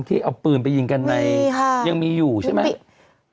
ที่เอาปืนไปยิงกันในยังมีอยู่ใช่ไหม